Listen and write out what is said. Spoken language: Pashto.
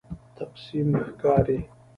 تقسیم ښکاري.